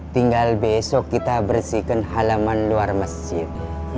tinggal besok kita bersihkan halaman luar masjid